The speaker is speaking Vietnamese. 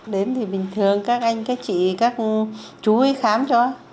đến thì bình thường các anh các chị các chú ý khám cho